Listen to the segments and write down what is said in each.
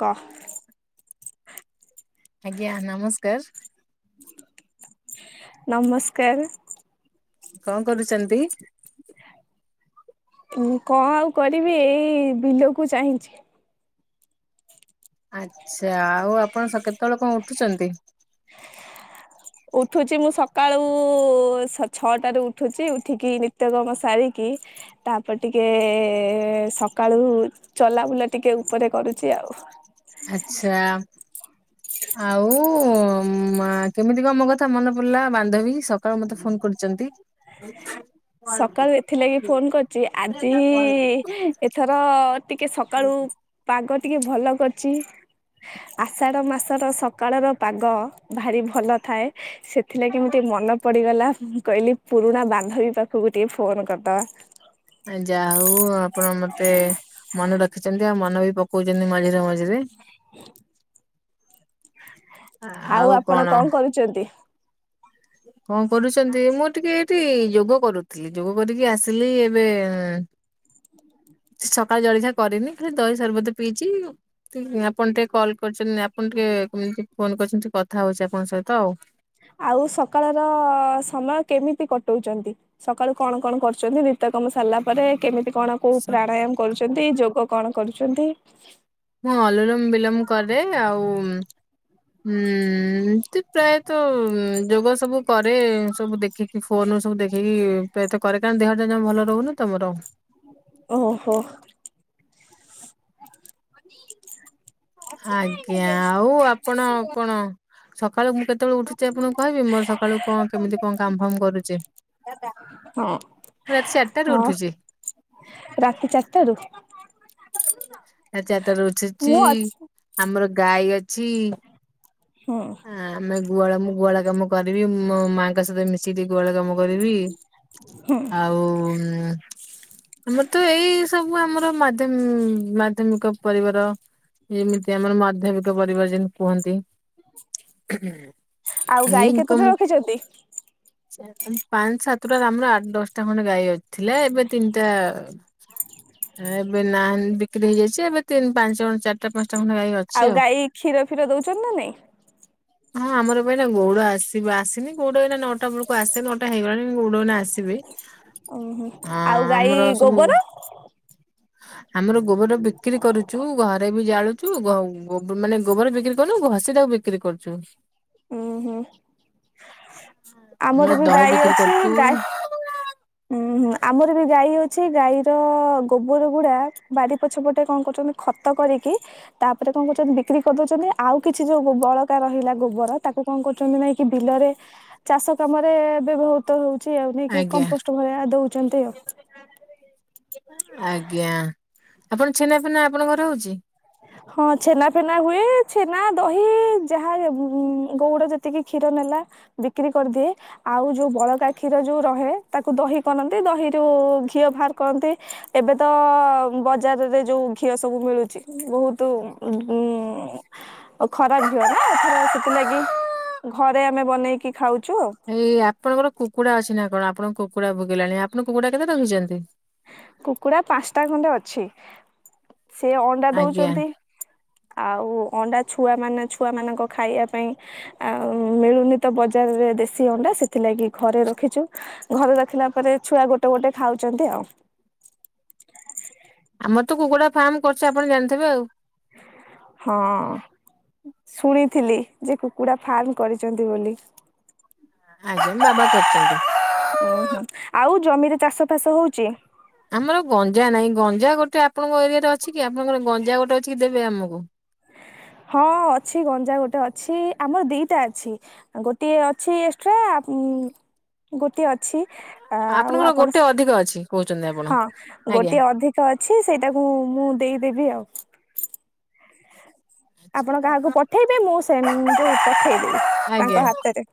କଅ। ଆଜ୍ଞା ନମସ୍କାର। ନମସ୍କାର। କଣ କରୁଚନ୍ତି? ମୁଁ କଣ ଆଉ କରିବି ଏଇ ବିଲକୁ ଚାହିଁଛି। ଆଚ୍ଛା ଆଉ ଆପଣ ସ କେତେବେଳେ କଣ ଉଠୁଛନ୍ତି? ଉଠୁଛି ମୁଁ ସକାଳୁ ସ ଛଅଟାରୁ ଉଠୁଛି ଉଠିକି ନିତ୍ୟକର୍ମ ସାରିକି ତାପରେ ଟିକେ ସକାଳୁ ଚଲାବୁଲା ଟିକେ ଉପରେ କରୁଛି ଆଉ। ଆଚ୍ଛା। [inaudible] ଆଉ ମା କେମିତି କଣ ମୋ କଥା ମନେ ପଡିଲା ବାନ୍ଧବୀ ସକାଳୁ ମତେ ଫୋନ କରିଛନ୍ତି। ହୁ [inaudible] ସକାଳୁ ଏଥିଲାଗି ଫୋନ କରିଛି। ଆଜି ଏଥର ଟିକେ ସକାଳୁ ପାଗ ଟିକେ ଭଲ କରଛି। ଆଷାଢ ମାସର ସକାଳ ର ପାଗ ଭାରି ଭଲ ଥାଏ। ସେଥିଲାଗି ମୁଁ ଟିକେ ମନ ପଡିଗଲା। ମୁଁ କହିଲି ପୁରୁଣା ବାନ୍ଧବୀ ପାଖକୁ ଟିକେ ଫୋନ କରିଦବା। ଆ ଯାହା ହଉ ଆପଣ ମତେ ମନେ ରଖିଛନ୍ତି ଆଉ ମନ ବି ପ କୋଉଛନ୍ତିି ମଝିରେ ମଝିରେ। ଆଉ ଆପଣ କଣ କରୁଛନ୍ତି? କଣ କରୁଛନ୍ତି, ମୁଁ ଟିକେ ଏଇଠି ଯୋଗ କରୁଥିଲି ଯୋଗ କରିକି ଆସିଲି ଏବେ। [inaudible] ସେ ସକାଳ ଜଳିଖିଆ କରିନି ଖାଲି ଦହି ସର୍ବତ ପିଇଛି। ତି ଆପଣ ଟିକେ କଲ୍ କରିଛନ୍ତି। ଆପଣ ଟିକେ ଏମିତି ଫୋନ କରିଛନ୍ତି ଟ କଥା ହଉଛି ଆପଣଙ୍କ ସହିତ ଆଉ। ଆଉ ସକାଳର ସମୟ କେମିତି କଟଉଛନ୍ତି? ସକାଳୁ କଣ କଣ କରୁଛନ୍ତି, ନିତ୍ୟକର୍ମ ସାରିଲା ପରେ କେମିତି କଣ କୋଉ ପ୍ରାଣାୟାମ କରୁଛନ୍ତି ଯୋଗ କଣ କରୁଛନ୍ତି? ମୁଁ ଅଲୁରମ ବିଲୋମ କରେ ଆଉ ହୁଁ ଏମତି ପ୍ରାୟତଃ ଯୋଗ ସବୁ କରେ ସବୁ ଦେଖିକି ଫୋନୁ ସବୁ ଦେଖିକି ପାୟତ କରେ କାରଣ ଦେହଟା ଜମା ଭଲ ରହୁନି ତମର। ଓହୋ। ଆଜ୍ଞା ଆଉ ଆପଣ କଣ ସକାଳୁ ମୁଁ କେତେବେଳେ ଉଠୁଛି ଆପଣଙ୍କୁ କହିବି ମୋର ସକାଳୁ କଣ କେମିତି କଣ କାମ ଫାମ କରୁଛି? [unintelligible] ହଁ। ମୁଁ ରାତି ଚାରିଟାରୁ ହଁ ଉଠୁଛି। ରାତି ଚାରିଟାରୁ। ରାତି ଚାରିଟା ରୁ ଉଠୁଛି ମୁଁ ଅଛି ଆମର ଗାଈ ଅଛି। ହୁଁ। ହ ଆମେ ଗୁଆଳ ମୁ ଗୁଆଳ କାମ କରିବି ମୋ ମାଆଙ୍କ ସହିତ ମିଶିକି ଟି ଗୁହାଳ କାମ କରିବି। ଆଉ ଉଁ ଆମର ତ ଏଇ ସବୁ ଆମର ମାଧ୍ୟ ମାଧ୍ୟମିକ ପରିବାର ଏମିତି ଆମର ମାଧ୍ୟମିକ ପରିବାର ଯେମିତି କୁହନ୍ତି। ଆଉ ଏଇ ଗାଈ କେତୋଟି ନକମ୍ ରଖିଛନ୍ତି? ପାଞ୍ଚ ସାତଟା ଆମର ଆଠ ଦଶଟା ଖଣ୍ଡେ ଗାଈ ଅଥିଲେ ଏବେ ତିନିଟା। ଏବେ ନା ବିକ୍ରି ହେଇଯାଇଛି ଏବେ ତିନି ପାଞ୍ଚଣ ଚାରିଟା ପାଞ୍ଚଟା ଖଣ୍ଡ ଗାଇ ଅଛି। ଆଉ ଗାଈ କ୍ଷୀର ଫୀର ଦଉଛନ୍ତି ନା ନାଇଁ। ହଁ ଆମର ପାଇଁ ନା ଗୌଡ ଆସିବ ଆସିନି ଗୋଡ ଏନା ନଅଟା ବେଳକୁ ଆସେ ନଅଟା ହେଇଗଲାଣି ଗୋଡନା ଆସିବେ। ଓହୋ ଆ ଆଉ ଗାଈ ଆମର ସବୁ ଗୋବର। ଆମର ଗୋବର ବିକ୍ରି କରୁଛୁ ଘରେ ବି ଜାଳୁଛୁ ଗୋ ମାନେ ଗୋବର ବିକ୍ରି କରୁନୁ ଘଷିଟାକୁ ବିକ କ୍ରି କରୁଛୁ। ହୁଁ ହୁଁ। ଆମର ବି ଦହି ଗାଈ ବିକ୍ରି ଅଛି କରୁଛୁ। ଗାଈ ଉଁ ହୁଁ ଆମର ବି ଗାଈ ଅଛି ଗାଈର ଗୋବର ଗୁଡା ବାରି ପଛପଟେ କଣ କରୁଛନ୍ତି ଖତ କରିକି ତାପରେ କଣ କରୁଛନ୍ତି ବିକ୍ରି କରିଦଉଛନ୍ତି ଆଉ କିଛି ଯୋଉ ବଳକା ରହିଲା ଗୋବର ତାକୁ କଣ କରୁଛନ୍ତି ନାଇଁ କି ବିଲରେ ଚାଷ କାମରେ ବ୍ୟବହୃତ ହଉଛି ଆଉ ନେଇ କି ଆଜ୍ଞା କମ୍ପୋଷ୍ଟ ଭଳିଆ ଦଉଛନ୍ତି ଆଉ। ଆଜ୍ଞା ଆପଣ ଛେନା ଫେନା ଆପଣଙ୍କର ହଉଛି। ହଁ ଛେନା ଫେନା ହୁଏ ଛେନା ଦହି ଯାହା ଗଉଡ ଯେତିକି କ୍ଷୀର ନେଲା। ବିକ୍ରି କରିଦିଏ। ଆଉ ଯୋଉ ବଳକା କ୍ଷୀର ଯୋଉ ରହେ ତାକୁ ଦହି କରନ୍ତି ଦହିରୁ ଘିଅ ବାହାର କରନ୍ତି। ଏବେ ତ ବଜାରରେ ଯୋଉ ଘିଅ ସବୁ ମିଳୁଛି। ବହୁତ ଉ ଓଉ ଖରା ଝିଅ ନା ଏଥର ସେଥିଲାଗି ଘରେ ଆମେ ବନେଇକି ଖାଉଛୁ। ଏଇ ଆପଣଙ୍କର କୁକୁଡା ଅଛି ନା କଣ ଆପଣଙ୍କ କୁକୁଡ଼ା ବୋବେଇଲାଣି ଆପଣ କୁକୁଡ଼ା କେତେ ରଖିଛନ୍ତି? କୁକୁଡ଼ା ପାଞ୍ଚଟା ଖଣ୍ଡେ ଅଛି ସେ ଅଣ୍ଡା ଆଜ୍ଞା ଦଉଛନ୍ତି। ଆଉ ଅଣ୍ଡା ଛୁଆ ମାନେ ଛୁଆ ମାନଙ୍କ ଖାଇବା ପାଇଁ ଆଉ ମିଳୁନି ତ ବଜାରରେ ଦେଶୀ ଅଣ୍ଡା ସେଥିଲାଗି ଘରେ ରଖିଛୁ। ଘରେ ରଖିଲା ପରେ ଛୁଆ ଗୋଟେ ଗୋଟେ ଖାଉଛନ୍ତି ଆଉ। ଆମର ତ କୁକୁଡା ଫାର୍ମ କରିଛି ଆପଣ ଜାଣିଥିବେ ଆଉ। ହଁ। ଶୁଣିଥିଲି ଯେ କୁକୁଡା ଫାର୍ମ କରିଚନ୍ତି ବୋଲି। ଆଜ୍ଞା ମ୍ ବାବା କରିଚନ୍ତି। ଆଉ ଜମିରେ ଚାଷ ଫାସ ହଉଚି। ଆମର ଗଞ୍ଜା ନାଇଁ ଗଞ୍ଜା ଗୋଟେ ଆପଣଙ୍କ ଏରିଆରେ ଅଛି କି ଆପଣଙ୍କର ଗଞ୍ଜା ଗୋଟେ ଅଛି କି ଦେବେ ଆମୁକୁ। ହଁ ଅଛି ଗଞ୍ଜା ଗୋଟେ ଅଛି ଆମର ଦିଟା ଅଛି। ଅଁ ଗୋଟିଏ ଅଛି ଏଷ୍ଟ୍ରା ଉଁ ଗୋଟିଏ ଅ ଛି ଆ ଆଉ ଆପଣ ସେ ଧିକ ଅଛି କହୁଛନ୍ତି ଆ ହଁ ଗୋଟିଏ ଅଧିକ ଅଛି ସେଇଟାକୁ ମୁଁ ମୁଁ ଦେଇଦେବି ଆଉ। ଆପଣ କାହାକୁ ପଠେଇବେ ମୁଁ ସେମତି ପଠେଇଦେବି ଆଜ୍ଞା। ତାଙ୍କ ହାତେରେ।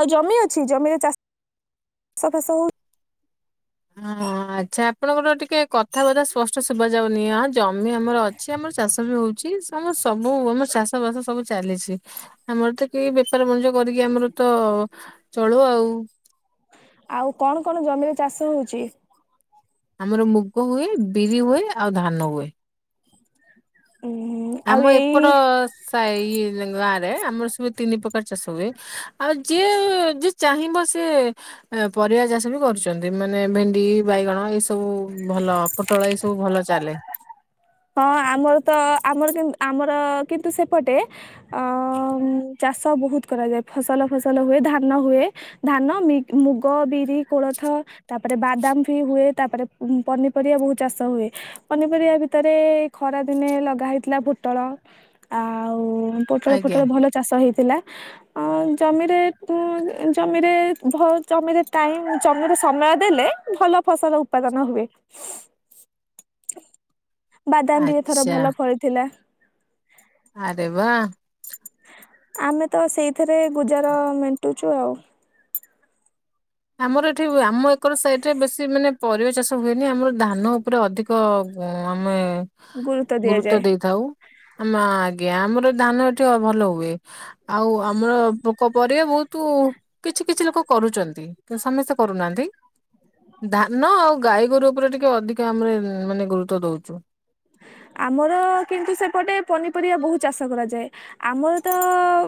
ଆଉ ଜମି ଅଛି ଜମିରେ ଚାଷ୍ ଷ ଫାସ ହଉ [unintelligible] ଆଚ୍ଛା ଆପଣଙ୍କର ଟିକେ କଥାବାର୍ତ୍ତା ସ୍ପଷ୍ଟ ଶୁଭାଯାଉନି ହଁ ଜମି ଆମର ଅଛି ଆମର ଚାଷ ବି ହଉଛି ସ୍ ଆମ ସବୁ ଆମ ଚାଷ ବାସ ସବୁ ଚାଲିଛି। ଆମର ତ କି ବେପାର ବଣିଜ କରିକି ଆମର ତ ଚଳୁ ଆଉ। ଆଉ କଣ କଣ ଜମିରେ ଚାଷ ହଉଛି? ଆମର ମୁଗ ହୁଏ ବିରି ହୁଏ ଆଉ ଧାନ ହୁଏ। [unintelligible] ଆମ ଏପଟ ଏଇ ସାଇରେ ଗାଁରେ ଆମର ସବୁ ତିନି ପ୍ରକାର ଚାଷ ହୁଏ ଆଉ ଯିଏ ଯି ଚାହିଁବ ସିଏ ଏଁ ପରିବା ଚାଷ ବି କରୁଛନ୍ତି ମାନେ ଭେଣ୍ଡି ବାଇଗଣ ଏସ୍ ତବୁ ଭଲ ପୋଟଳ ଏସବୁ ଭଲ ଚାଲେ। ହଁ ଆମର ତ ଆମର କିନ୍ତ୍ ଆମର କିନ୍ତୁ ସେପଟେ ଅ ଉଁ ଚାଷ ବୋହୁତ କରାଯାଏ ଫସଲ ଫସଲ ହୁଏ ଧାନ ହୁଏ। ଧାନ ମିଗ୍ ମୁଗ ବିରି କୋଳଥ ତାପରେ ବାଦାମ୍ ଭି ହୁଏ ତାପରେ ଉଁ ପନିପରିବା ବୋହୁତ ଚାଷ ହୁଏ ପନିପରିବା ଭିତ୍ ତେରେ ଖରା ଦିନେ ଲଗା ହେଇଥିଲା ପୋଟଳ ଆଉ ପୋଟଳ ଆଜ୍ଞା ଫୋଟଳ ଭଲ ଚାଷ ହେଇଥିଲା। ଆଉ ଜମିରେ ଉଁ ଏ ଜମିରେ ଭୋଉତ ଜମିରେ ଟାଇମ୍ ଜମିରେ ସମୟ ଦେଲେ ଭଲ ଫସଲ ଉପାଦାନ ହୁଏ। ବାଦାମ୍ ବି ଏଥର ଆଚ୍ଛା ଭଲ ଫଳି ଥିଲା। ଆରେ ବା। ଆମେ ତ ସେଇଥେରେ ଗୁଜାର ମେଣ୍ଟୁଚୁ ଆଉ। ଆମର ଏଠି ଉ ଆମ ଏକର ସାଇଟରେ ବେଶୀ ମାନେ ପରିବା ଚାଷ ହୁଏନି ଆମର ଧାନ ଉପରେ ଅଧିକ କ ଉଁ ଆମେ ଗୁରୁତ୍ୱ ଦେଇଥାଉ। ଆମ ଆଜ୍ଞା ଆମର ଧାନ ଏଠି ଅ ଭଲ ହୁଏ। ଆଉ ଆମର ପୋକ ପରିବା ଭୋଉତୁ କିଛି କିଛି ଲୋକ କରୁଚନ୍ତି। କିନ୍ତୁ ସମସ୍ତେ କରୁନାଆନ୍ତି। ଧାନ ଆଉ ଗାଈ ଗୋରୁ ଉପରେ ଟିକେ ଅଧିକା ଆମେ ଉଁ ମାନେ ଗୁରୁତ୍ୱ ଦଉଚୁ। ଆମର କିନ୍ତୁ ସେପଟେ ପନିପରିବା ବୋହୁତ ଚାଷ କରାଯାଏ। ଆମର ତ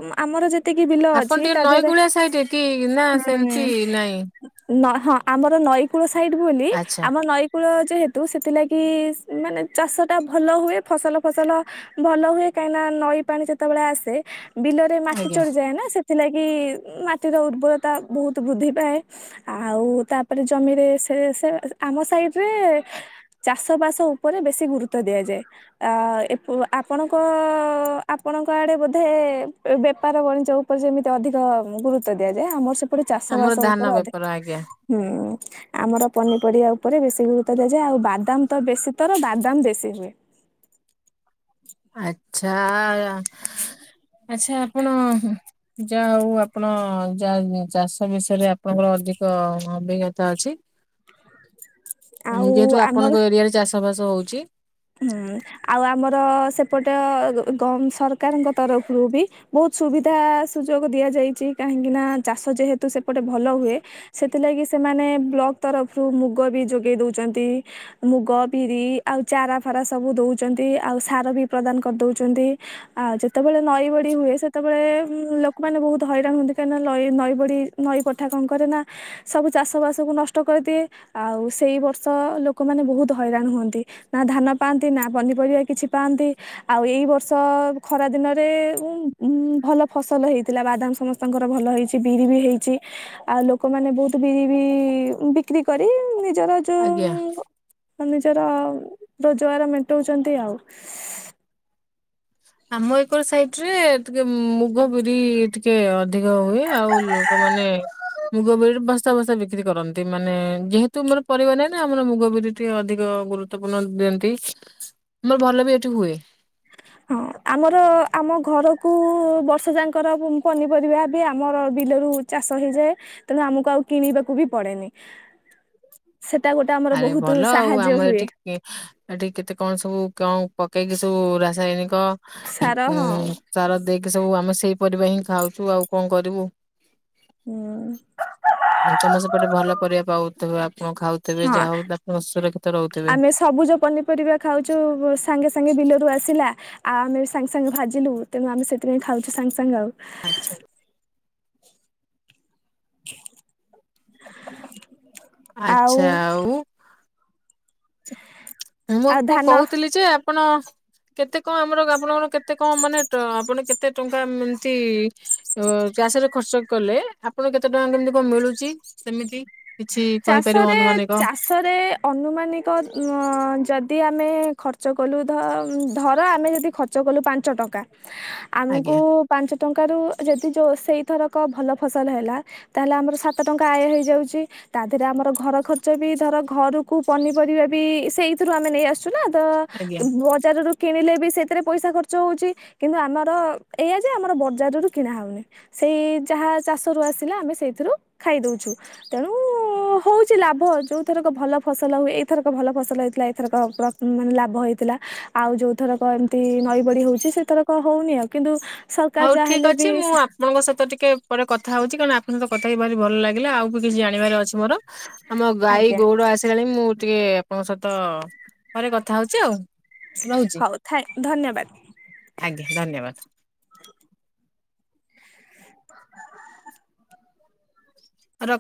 ଉଁ ଆମର ଯେ ତିକି ବିଲ ଆପଣ ଅଛି ଟିକେ ତା ନଈ ଧିଏରେ କୂଳିଆ ସାଇଡ କି ନା ସେମିତି ହୁଁ ନାଇଁ ନ ହଁ ଆମର ନଈକୂଳ ସାଇଟ୍ ବୋଲି ଆଚ୍ଛା ଆମର ନଈ କୂଳ ଯେହେତୁ ସେଥିଲାଗି ଉଁ ମାନେ ଚାଷ ଟା ଭଲ ହୁଏ ଫସଲ ଫସଲ ଭଲ ହୁଏ କାହିଁ ନା ନଈ ପାଣି ଯେତେବେଳେ ଆସେ ବିଲରେ ମାଟି ଆଜ୍ଞା ଚଢିଯାଏ ନା ସେଥିଲାଗି ଉଁ ମାଟିର ଉର୍ବରତା ବୋହୁତ ବୃଦ୍ଧି ପାଏ। ଆଉ ତାପରେ ଜମିରେ ସେ ସେ ଆମ ସାଇଟରେ ଚାଷ ବାସ ଉପରେ ବେଶୀ ଗୁରୁତ୍ୱ ଦିଆଯାଏ। ଆ ଏପ ଆପଣଙ୍କ ଆପଣଙ୍କ ଆଡେ ବୋଧେ ବେପାର ବଣିଜ ଉପରେ ଯେମିତି ଅଧିକ ଗୁରୁତ୍ୱ ଦିଆଯାଏ ଆମର ପଟେ ଚାଷ ଆମର ବାସ ଧାନ ଉପରେ ଅଧୀ ବେପାର ଆଜ୍ଞା। ହୁଁ ଆମର ପନିପରିବା ଉପରେ ବେଶୀ ଗୁରୁତ୍ୱ ଦିଆଯାଏ ଆଉ ବାଦାମ ତ ବେଶୀ ତର ବାଦାମ ବେଶୀ ସେତିଲେ ଆଚ୍ଛା ଆଚ୍ଛା ଆପଣ। ଯାହା ହଉ ଆପଣ ଯାହା ଚାଷ ବିଷୟରେ ଆପଣଙ୍କର ଅଧିକ ଅଭିଜ୍ଞତା ଅଛି। [inaudible] ଆଉ ଯେହେତୁ ଆମର ଆପଣଙ୍କ ଏରିଆରେ ଚାଷ ବାସ ହଉଛି। ହୁଁ ଆଉ ଆମର ସେପଟେ ଗମ୍ ସରକାରଙ୍କ ତରଫରୁ ବି ବହୁତ ସୁବିଧା ସୁଯୋଗ ଦିଆଯାଇଛି କାହିଁକି ନା ଚାଷ ଯେହେତୁ ସେପଟେ ଭଲ ହୁଏ ସେଥିଲାଗି ସେମାନେ ବ୍ଲକ ତରଫରୁ ମୁଗ ବି ଯୋଗେଇ ଦଉଛନ୍ତି। ମୁଗ, ବିରି ଆଉ ଚାରା ଫାରା ସବୁ ଦଉଛନ୍ତି ଆଉ ସାର ବି ପ୍ରଦାନ କରି ଦଉଛନ୍ତି। ଆଉ ଯେତେବେଳେ ନଈ ବଡି ହୁଏ ସେତେବେଳେ ଉ ଲୋକମାନେ ବହୁତ ହଇରାଣ ହୁଅନ୍ତି କାହିଁ ନା ନଇ ନଈ ବଡି ନଈ ପଠା କଣ କରେ ନା ସବୁ ଚାଷବାସକୁ ନଷ୍ଟ କରିଦିଏ। ଆଉ ସେଇ ବର୍ଷ ଲୋକମାନୋ ବହୁତ ହଇରାଣ ହୁଅନ୍ତି। ନା ଧାନ ପାଆନ୍ତି ନା ପନିପରିବା କିଛି ପାଆନ୍ତି ଆଉ ଏଇ ବର୍ଷ ଖରା ଦିନରେ ଉ ଉ ଭଲ ଫସଲ ହେଇଥିଲା ବାଦାମ ସମସ୍ତ ତାଙ୍କର ଭଲ ହେଇଛି ବିରି ବି ହେଇଛି। ଆଉ ଲୋକମାନୋ ବହୁତ ବି ବି ବିକ୍ରି କରି ନିଜର ଆଜ୍ଞା। ଯୋଉ ନିଜର ରୋଜଗାର ମେଣ୍ଟଉଛନ୍ତି ଆଉ। ଆମ ଏକର ସାଇଟ ରେ ଟିକେ ମୁଘ ବିରି ଟି କେ ଅଧିକ ହୁଏ ଆଉ ଲୋକମାନେ ମୁଗ ବିରି ବସା ବସା ବିକ୍ରି କରନ୍ତି ମାନେ ଯେହେତୁ ମୋର ପରିବ ନାହିଁ ନା ଆମର ମୁଗ ବିର ତି ଅଧିକ ଗୁରୁତ୍ୱ ପୂର୍ଣ୍ଣ ଦିଅନ୍ତି ମୋର ଭଲ ବି ଏଠି ହୁଏ। ହଁ ଆମର ଆମ ଘରକୁ ବର୍ଷ ଯାଙ୍କର ପନିପରିବା ବି ଆମର ବିଲରୁ ଚାଷ ହେଇଯାଏ ତେଣୁ ଆମକୁ ଆଉ କିଣିବାକୁ ବି ପଡେନି। ସେଟା ଗୋଟେ ଆମର ଆରେ ବହୁତ ଭଲ ଆଉ ସାହାଯ୍ୟ ଆମର ହୁଏ। ଏଠି ଏଠି କେତେ କଣ ସବୁ କଣ ପକେଇକି ସବୁ ରାସାୟନିକ ସାର ଉ ହଁ ଚାର ଦେଇକି ସବୁ ଆମେ ସେଇ ପରିବା ହିଁ ଖାଉଛୁ ଆଉ କଣ କରିବୁ? ହୁଁ। ତମ ସେପଟେ ଭଲ ପରିବା ପାଉଥିବେ ଆପଣ ଖାଉଥିବେ ହଁ ଯାହା ହଉ ଆପଣ ସୁରକ୍ଷିତ ରହୁଥିବେ। ଆମେ ସବୁଜ ପନିପରିବା ଖାଉଛୁ ସାଙ୍ଗେ ସାଙ୍ଗେ ବିଲରୁ ଆସିଲା ଆ ଆମେ ବି ସାଙ୍ଗ୍ ସାଙ୍ଗେ ଭାଜିଲୁ ତ ଆମେ ସେଥିପାଇଁ ଖାଉଛୁ ସାଙ୍ଗେ ସାଙ୍ଗେ ଆଉ। [inaudible] [inaudible] ଆଚ୍ଛା ଆଉ। ମୁଁ ଆଉ କ ଧାନ କହୁଥିଲି ଯେ ଆପଣ କେତେ କଣ ଆମର ଆପଣଙ୍କଣ କେତେ କଣ ମାନେ ଆପଣ କେତେ ଟଙ୍କା ଏମତି ଚାଷରେ ଖର୍ଚ୍ଚ କଲେ ଆପଣଙ୍କୁ କେତେ ଟଙ୍କା କେମିତି କଣ ମିଳୁଛି ସେମିତି। କିଛି କହିପାରିବ ଅନୁମାନିକ। ସାରେ ଅନୁମାନିକ ଯଦି ଆମେ ଖର୍ଚ୍ଚ କଲୁ ଧ ଧର ଆମେ ଯଦି ଖର୍ଚ୍ଚ କଲୁ ପାଞ୍ଚ ଟଙ୍କା ଆମକୁ ଆଜ୍ଞା ପାଞ୍ଚ ଟଙ୍କାରୁ ଯଦି ଯେଉଁ ସେଇଥରକ ଭଲ ଫସଲ ହେଲା ତାହେଲେ ଆମର ସାତ ଟଙ୍କା ଆୟ ହେଇଯାଉଛି। ତା ଦେହରେ ଆମର ଘର ଖର୍ଚ୍ଚ ବି ଧର ଘରକୁ ପନିପରିବା ବି ସେଇଥିରୁ ଆମେ ନେଇ ଆସୁ ଛୁ ନା ତ ଆଜ୍ଞା। ବଜାରରୁ କିଣିଲେ ବି ସେଥିରେ ପଇସା ଖର୍ଚ୍ଚ ହେଉଛି କିନ୍ତୁ ଆମର ଏଇଆ ଯେ ଆମର ବର୍ଜାରରୁ କିଣା ହେଉନି। ସେଇ ଯାହା ଚାଷରୁ ଆସିଲା ଆମେ ସେଇଥିରୁ ଖାଇଦଉଛୁ ତେଣୁ ହେଉଛି ଲାଭ ଯେଉଁଥରକ ଭଲ ଫସଲ ହୁଏ ଏଇଥରକ ଭଲ ଫସଲ ହୋଇଇଥିଲା ଏଇଥରକ ମାନେ ଲାଭ ହେଇଥିଲା। ଆଉ ଯୋଉ ଥରକ ଏମିତି ନଈ ବଡି ହୋଉଚି ସେ ଥରକ ହୋଉନି ଆଉ କିନ୍ତୁ ସରକାର ହଉ ଯାହା ଠିକ ହେଲେ ଅଛି ବି ମୁଁ ଆପଣଙ୍କ ସହିତ ଟିକେ ପରେ କଥା ହେଉଛି କାରଣ ଆପଣଙ୍କ ସହିତ କଥା ହେଇ ଭାର ଭଲ ଲାଗିଲା, ଆଉ କିଛିବାର ଅଛି ମୋର। ଆମ ଗାଈ ଆଜ୍ଞା ଗୋଡ ଆସଗାଣି ମୁଁ ଟିକେ ଆପଣଙ୍କ ସହିତ ଘରେ କଥା ହୋଉଚି ଆଉ। ରହୁଛି ହୋଉ ଥାଇଙ୍କି ଧନ୍ୟବାଦ। ଆଜ୍ଞା ଧନ୍ୟବାଦ। [unintelligible] ରଖ